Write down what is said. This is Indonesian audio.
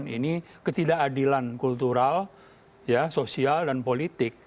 tidak ada adilan kultural sosial dan politik